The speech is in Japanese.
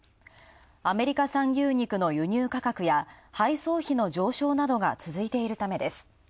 アメリカ産牛肉の価格上昇や配送費の上昇などが続いているためです。